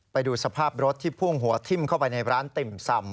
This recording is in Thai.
ไปดูสภาพรถที่พุ่งหัวทิ้มเข้าไปในร้านติ่มซ่ำ